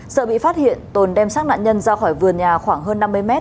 sợ bị phát hiện tồn đem xác nạn nhân ra khỏi vườn nhà khoảng hơn năm mươi m